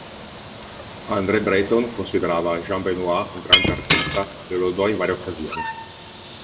André Breton considerava Jean Benoît un grande artista e lo lodò in varie occasioni.